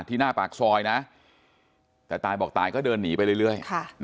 หน้าปากซอยนะแต่ตายบอกตายก็เดินหนีไปเรื่อย